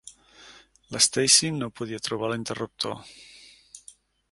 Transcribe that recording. L'Stacey no podia trobar l'interruptor.